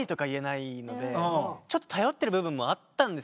ちょっと頼ってる部分もあったんですよ。